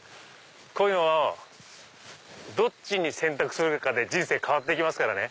はいどっちを選択するかで人生変わっていきますからね。